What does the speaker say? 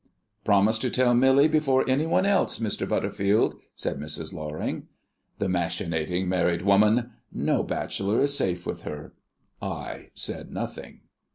"Promise to tell Millie before any one else, Mr. Butterfield," said Mrs. Loring. The machinating married woman! No bachelor is safe with her. I said nothing.